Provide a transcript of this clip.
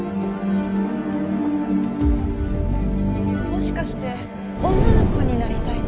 もしかして女の子になりたいの？